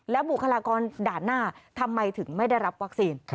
บุคลากรด่านหน้าทำไมถึงไม่ได้รับวัคซีน